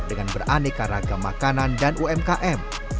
dengan beraneka ragam makanan dan umkm